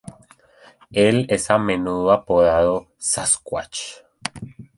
Él es a menudo apodado "Sasquatch".